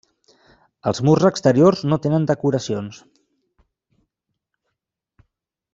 Els murs exteriors no tenen decoracions.